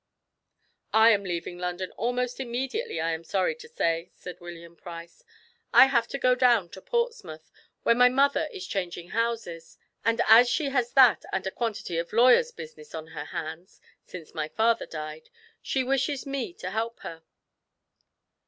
"I am leaving London almost immediately, I am sorry to say," said William Price. "I have to go down to Portsmouth, where my mother is changing houses, and as she has that and a quantity of lawyers' business on her hands, since my father died, she wishes me to help her."